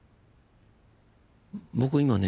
僕今ね